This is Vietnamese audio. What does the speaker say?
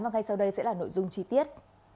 và ngay sau đây sẽ là nội dung chi tiết